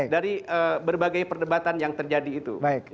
dari berbagai perdebatan yang terjadi itu